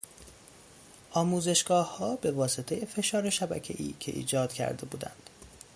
آموزشگاهها به واسطه فشار شبکهای که ایجاد کرده بودند